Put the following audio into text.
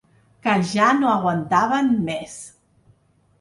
Que ja no aguantaven més.